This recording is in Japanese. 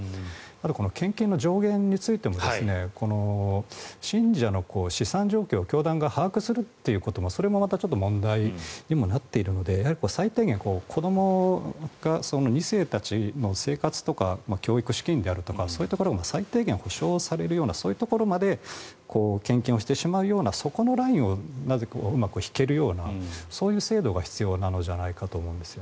あと献金の上限についても信者の資産状況を教団が把握するというそれもまた問題にもなっているので最低限、子どもが２世たちの生活とか教育資金であるとかそういうところが最低限保証されるようなそういうところまで献金をしてしまうようなそこのラインをうまく引けるようなそういう制度が必要なんじゃないかと思います。